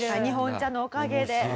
日本茶のおかげで。